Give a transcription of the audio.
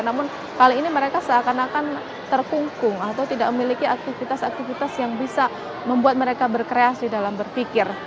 namun kali ini mereka seakan akan terkungkung atau tidak memiliki aktivitas aktivitas yang bisa membuat mereka berkreasi dalam berpikir